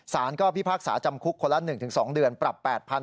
สารก็พิพากษาจำคุกคนละ๑๒เดือนปรับ๘๐๐